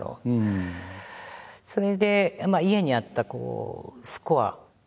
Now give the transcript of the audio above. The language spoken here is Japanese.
それで家にあったスコアを。